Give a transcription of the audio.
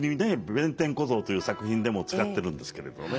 「弁天小僧」という作品でも使ってるんですけれどね。